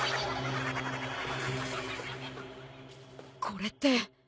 これって。